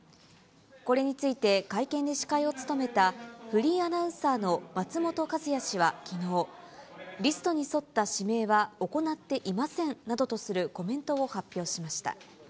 これについて会見で司会を務めた、フリーアナウンサーの松本和也氏はきのう、リストに沿った指名は行っていませんなどとするコメントを発表しました。